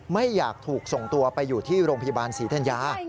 ไม่อยากถูกส่งตัวไปอยู่ที่โรงพยาบาลศรีธัญญา